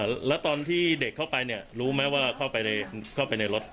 อ่าแล้วตอนที่เด็กเข้าไปเนี้ยรู้ไหมว่าเข้าไปในเข้าไปในรถ